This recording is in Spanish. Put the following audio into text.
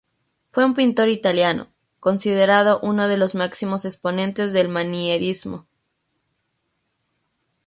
Fue un pintor italiano, considerado uno de los máximos exponentes del manierismo.